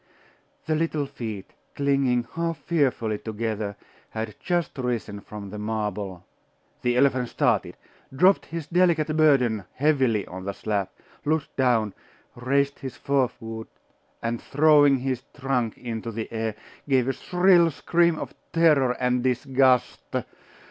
The little feet, clinging half fearfully together, had Just risen from the marble The elephant started, dropped his delicate burden heavily on the slab, looked down, raised his forefoot, and throwing his trunk into the air, gave a shrill scream of terror and disgust....